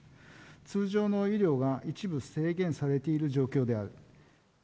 通常の医療が一部制限されている状況である。